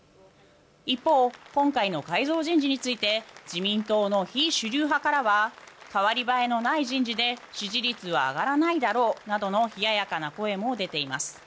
一方、今回の改造人事について自民党の非主流派からは代わり映えのない人事で支持率は上がらないだろうなどの冷ややかな声も出ています。